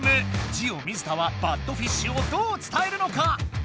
ジオ水田はバットフィッシュをどう伝えるのか？